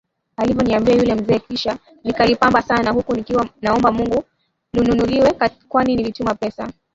alivyoniambia yule mzee kisha nikalipamba sana huku nikiwa naomba Mungu linunuliwe kwani nilitumia pesa